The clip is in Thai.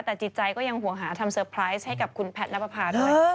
แต่จิตใจก็ยังห่วงหาทำเตอร์ไพรส์ให้กับคุณแพทย์นับประพาด้วย